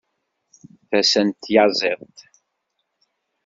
Tasa n tyaziḍt.